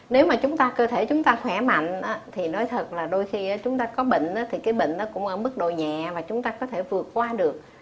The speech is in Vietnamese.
nếu mà cơ thể chúng ta khỏe mạnh thì nói thật là đôi khi chúng ta có bệnh thì cái bệnh cũng ở mức độ nhẹ và chúng ta có thể vượt qua được